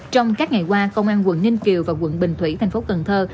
trong các ngày qua công an quận ninh kiều và quận bình thủy thành phố cần thơ